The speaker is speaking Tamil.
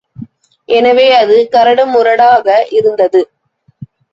எனவே அது கரடுமுரடாக இருந்தது.